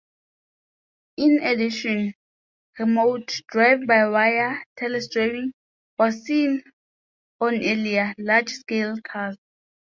In addition, remote, drive-by-wire "telesteering" was seen on earlier, larger scale cars.